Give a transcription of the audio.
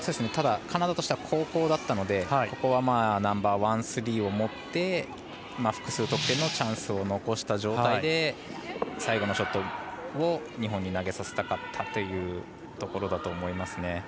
カナダとしては後攻だったので、ここはナンバーワン、スリーを持って複数得点のチャンスを残した状態で最後のショットを日本に投げさせたかったところだと思いますね。